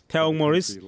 theo ông maurice